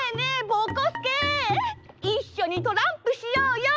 ぼこすけいっしょにトランプしようよ。